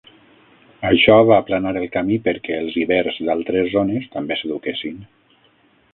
Això va aplanar el camí perquè els ibers d'altres zones també s'eduquessin.